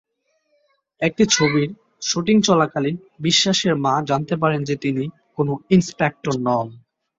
একটি ছবির শুটিং চলাকালীন বিশ্বাসের মা জানতে পারে যে তিনি কোনও ইন্সপেক্টর নন।